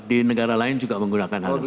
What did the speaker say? di negara lain juga menggunakan hal yang sama